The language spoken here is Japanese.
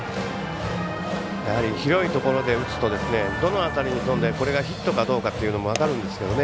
やはり広いところで打つとどの辺りに飛んで、これがヒットかどうかっていうのも分かるんですけどね。